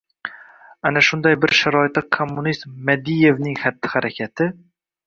Ana shunday bir sharoitda, kommunist Madievning xatti-harakati